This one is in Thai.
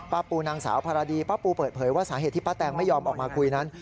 ปูนางสาวภารดีป้าปูเปิดเผยว่าสาเหตุที่ป้าแตงไม่ยอมออกมาคุยนั้น